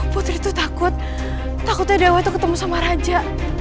putri tuh takut takutnya dia ketemu sama raja